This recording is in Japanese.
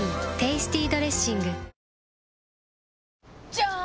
じゃーん！